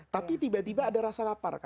tapi tiba tiba ada rasa lapar